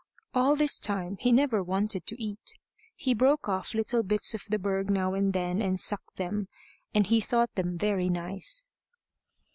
All this time he never wanted to eat. He broke off little bits of the berg now and then and sucked them, and he thought them very nice.